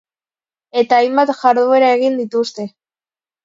Eta hainbat jarduera egin dituzte.